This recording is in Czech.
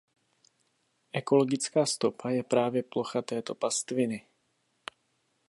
Ekologická stopa je právě plocha této pastviny.